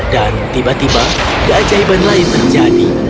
dan tiba tiba keajaiban lain terjadi